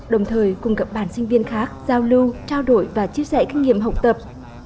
đồng thời cùng gặp bản sinh viên khác giao lưu trao đổi và chia sẻ kinh nghiệm học tập